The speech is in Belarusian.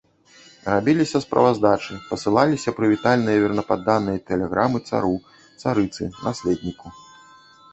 Рабіліся справаздачы, пасылаліся прывітальныя вернападданыя тэлеграмы цару, царыцы, наследніку.